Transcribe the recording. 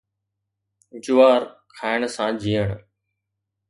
جوار کائڻ سان جيئڻ